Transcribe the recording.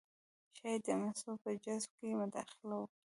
ښايي د مسو په جذب کې مداخله وکړي